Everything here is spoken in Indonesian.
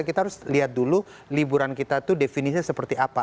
kita harus lihat dulu liburan kita itu definisinya seperti apa